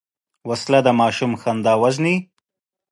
وسله د ماشوم خندا وژني